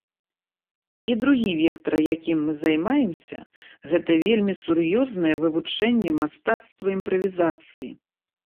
І другі вектар, якім мы займаемся,— гэта вельмі сур'ёзнае вывучэнне мастацтва імправізацыі.